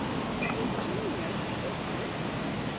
But with janius it's different.